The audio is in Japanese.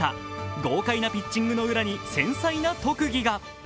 豪快なピッチングの裏に繊細な特技が。